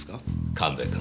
神戸君。